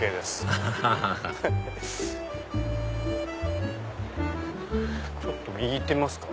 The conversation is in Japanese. アハハハちょっと右行ってみますか。